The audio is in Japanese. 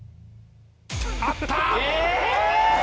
あった！